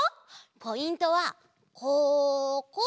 ポイントはここ。